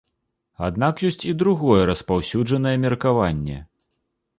Аднак ёсць і другое распаўсюджанае меркаванне.